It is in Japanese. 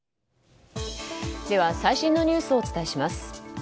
では最新のニュースをお伝えします。